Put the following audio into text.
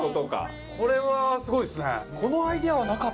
これはすごいですね。